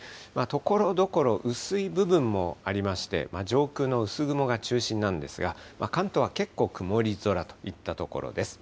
ところどころ、薄い部分もありまして、上空の薄雲が中心なんですが、関東は結構曇り空といったところです。